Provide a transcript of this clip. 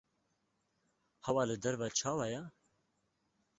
Hewa li derve çawa ye?